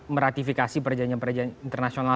meratifikasi perjanjian perjanjian internasional